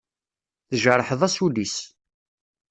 Tjerḥeḍ-as ul-is.